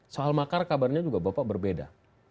soal makar kabarnya juga bapak berbeda